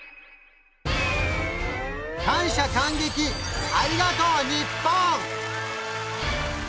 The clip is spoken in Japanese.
感謝感激ありがとう日本！